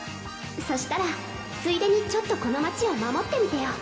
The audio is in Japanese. そしたらついでにちょっとこの町を守ってみてよ